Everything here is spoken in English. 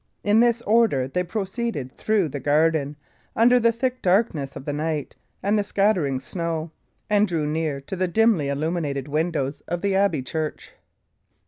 In this order they proceeded through the garden, under the thick darkness of the night and the scattering snow, and drew near to the dimly illuminated windows of the abbey church.